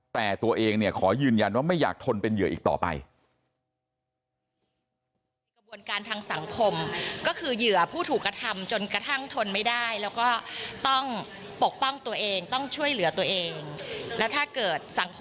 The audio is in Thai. แต่ตัวเองเนี่ยขอยืนยันว่าไม่อยากทนเป็นเหยื่ออีกต่อไป